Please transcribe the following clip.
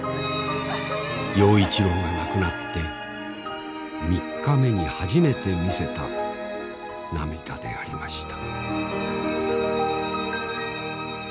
陽一郎が亡くなって３日目に初めて見せた涙でありました。